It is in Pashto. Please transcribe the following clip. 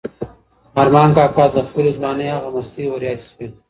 ارمان کاکا ته د خپلې ځوانۍ هغه مستۍ وریادې شوې.